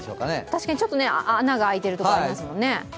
確かにちょっと穴が開いてるところありますもんね。